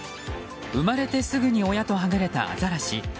生まれてすぐに親と離れたアザラシ。